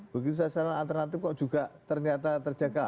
begitu sasaran alternatif kok juga ternyata terjaga